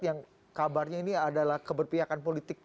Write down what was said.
yang kabarnya ini adalah keberpihakan politik